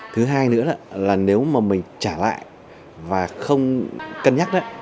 thứ hai nữa là nếu mà mình trả lại và không cân nhắc đấy